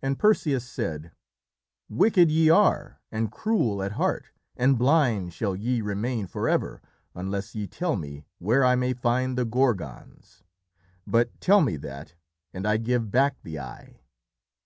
And Perseus said: "Wicked ye are and cruel at heart, and blind shall ye remain forever unless ye tell me where I may find the Gorgons. But tell me that, and I give back the eye."